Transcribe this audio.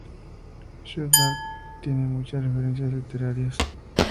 Southwark tiene muchas referencias literarias.